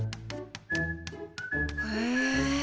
へえ！